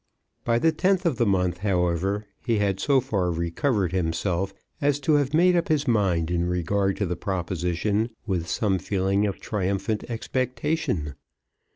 By the tenth of the month, however, he had so far recovered himself as to have made up his mind in regard to the proposition with some feeling of triumphant expectation.